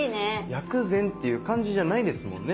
薬膳っていう感じじゃないですもんね